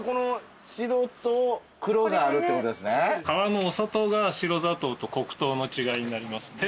皮のお砂糖が白砂糖と黒糖の違いになります。